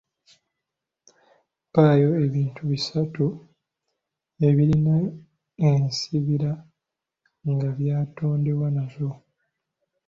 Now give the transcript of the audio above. Mpaayo ebintu bisatu ebirina ensiriba nga byatondebwa nazo?